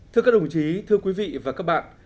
thưa các đồng chí thưa quý vị và các bạn